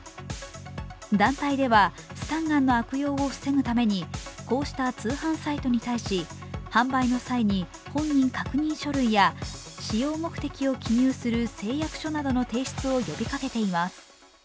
団体では、スタンガンの悪用を防ぐためにこうした通販サイトに対し販売の際に本人確認書類や使用目的を記入する誓約書などの提出を呼びかけています。